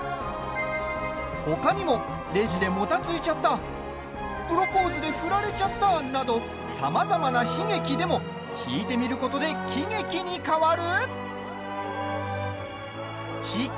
ほかにもレジでもたついちゃったプロポーズで振られちゃったなどさまざまな悲劇でも引いてみることで喜劇に変わる？